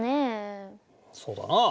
そうだな。